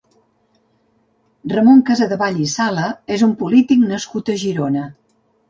Ramon Casadevall i Sala és un polític nascut a Girona.